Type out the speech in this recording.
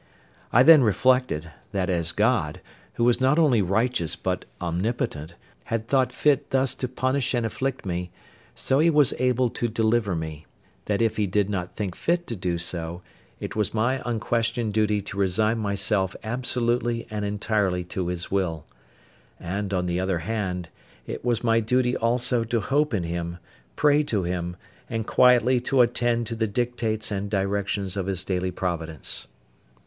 I then reflected, that as God, who was not only righteous but omnipotent, had thought fit thus to punish and afflict me, so He was able to deliver me: that if He did not think fit to do so, it was my unquestioned duty to resign myself absolutely and entirely to His will; and, on the other hand, it was my duty also to hope in Him, pray to Him, and quietly to attend to the dictates and directions of His daily providence.